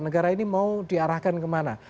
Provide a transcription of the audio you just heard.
negara ini mau diarahkan kemana